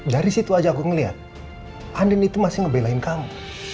dari situ aja aku ngeliat andin itu masih ngebelain kamu